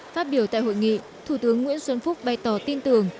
phát biểu tại hội nghị thủ tướng nguyễn xuân phúc bày tỏ tin tưởng